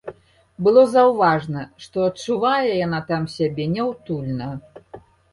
Было заўважна, што адчувае яна там сябе няўтульна.